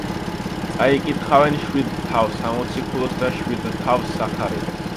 წაიკითხავენ შვიდ თავს სამოციქულოს და შვიდ თავს სახარებას.